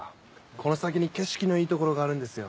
この先に景色のいい所があるんですよ。